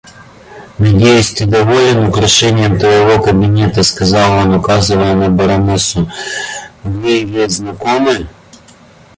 Надеюсь, ты доволен украшением твоего кабинета, — сказал он, указывая на баронессу.— Вы ведь знакомы?